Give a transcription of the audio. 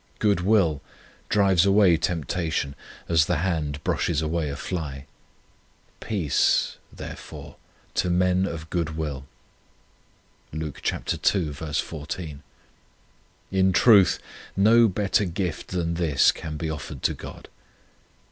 Good will drives away tempta tion as the hand brushes away a fly. " Peace," therefore, " to men of good will." * In truth no better gift than this can be offered to God.